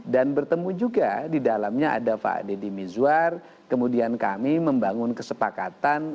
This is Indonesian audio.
dan bertemu juga di dalamnya ada pak deddy mizwar kemudian kami membangun kesepakatan